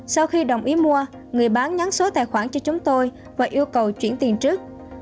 sau khi đồng ý mua người bán nhắn số tài khoản cho chúng tôi và yêu cầu chuyển tiền trước